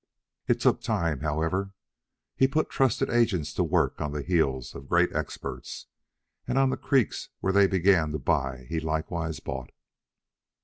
It took time, however. He put trusted agents to work on the heels of great experts, and on the creeks where they began to buy he likewise bought.